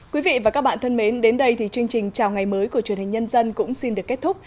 quý vị và các bạn thân mến đến đây thì chương trình chào ngày mới của truyền hình nhân dân cũng xin được kết thúc